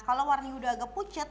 kalau warnanya udah agak pucet